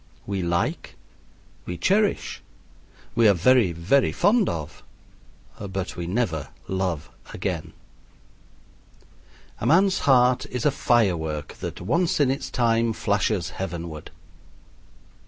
We like, we cherish, we are very, very fond of but we never love again. A man's heart is a firework that once in its time flashes heavenward.